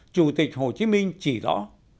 chủ tịch hồ chí minh chỉ rõ